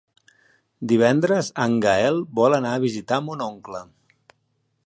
Divendres en Gaël vol anar a visitar mon oncle.